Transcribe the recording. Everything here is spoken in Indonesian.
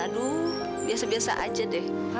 aduh biasa biasa aja deh